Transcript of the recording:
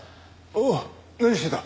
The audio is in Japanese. おっ何してた？